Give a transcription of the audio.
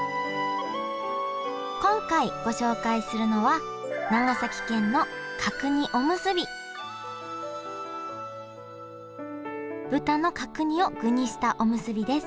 今回ご紹介するのは長崎県の角煮おむすび豚の角煮を具にしたおむすびです。